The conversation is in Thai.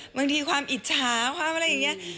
บางทีความอิจฉาความอะไรอย่างนี้